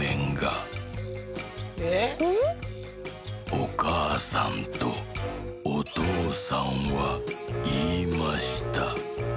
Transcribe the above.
「おかあさんとおとうさんはいいました。